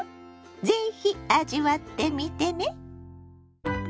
是非味わってみてね。